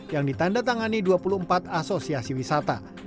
yang ditanda tangani dua puluh empat asosiasi wisata